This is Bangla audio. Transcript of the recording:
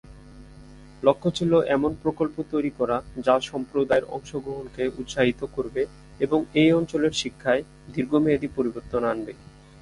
লক্ষ্য ছিল এমন প্রকল্প তৈরি করা যা সম্প্রদায়ের অংশগ্রহণকে উৎসাহিত করবে এবং এই অঞ্চলের শিক্ষায় দীর্ঘমেয়াদী পরিবর্তন আনবে।